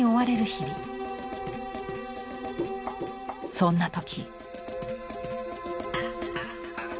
そんな時。